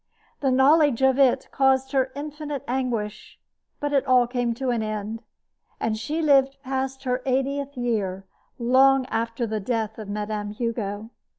The knowledge of it caused her infinite anguish, but it all came to an end; and she lived past her eightieth year, long after the death of Mme. Hugo.